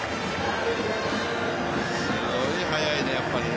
すごい速いね、やっぱりね。